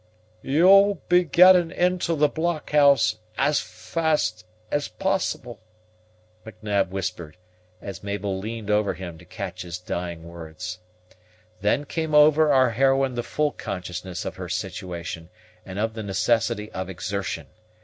"Ye'll be getting into the blockhouse as fast as possible," M'Nab whispered, as Mabel leaned over him to catch his dying words. Then came over our heroine the full consciousness of her situation and of the necessity of exertion.